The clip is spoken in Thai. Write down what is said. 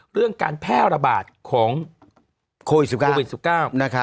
เรื่องการแพร่ระบาดของโควิด๑๙